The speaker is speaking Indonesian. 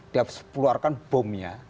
dia harus keluarkan bomnya